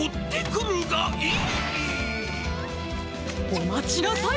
おまちなさい！